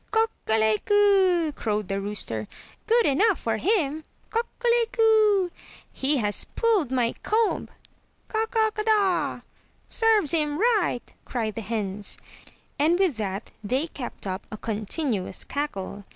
" Cock el i coo," crowed the rooster, "good enough for him! Cock el i coo, he has pulled my comb." "Ka, ka, kada, serves him right!'' cried the hens, and with that they kept up a continuous cackle.